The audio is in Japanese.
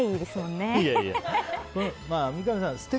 三上さん